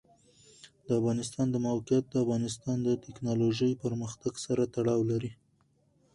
د افغانستان د موقعیت د افغانستان د تکنالوژۍ پرمختګ سره تړاو لري.